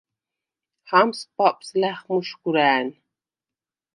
ჰამს ბაპს ლა̈ხმუშგუ̂რა̄̈ნ.